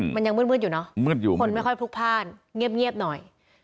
มันยังมืดอยู่เนอะมืดอยู่คนไม่ค่อยพลุกพ่านเงียบหน่อย